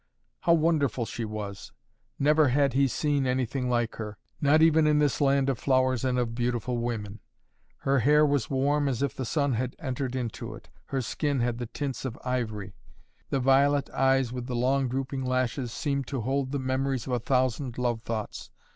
How wonderful she was! Never had he seen anything like her, not even in this land of flowers and of beautiful women. Her hair was warm as if the sun had entered into it. Her skin had the tints of ivory. The violet eyes with the long drooping lashes seemed to hold the memories of a thousand love thoughts.